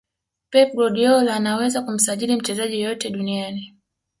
pep guardiola anaweza kumsajili mchezaji yeyote duniani